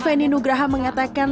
feni nugraha mengatakan